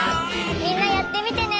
みんなやってみてね！